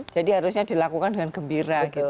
jadi harusnya dilakukan dengan gembira gitu loh